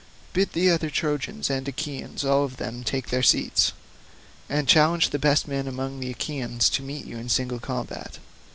Bid the other Trojans and Achaeans all of them take their seats, and challenge the best man among the Achaeans to meet you in single combat.